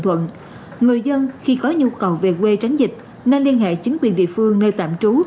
thuận người dân khi có nhu cầu về quê tránh dịch nên liên hệ chính quyền địa phương nơi tạm trú